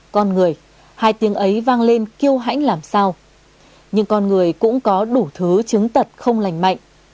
con người hai tiếng ấy vang lên kiêu hãnh làm sao nhưng con người cũng có đủ thứ chứng tật không lành mạnh